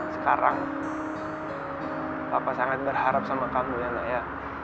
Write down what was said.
sekarang bapak sangat berharap sama kamu ya nak ya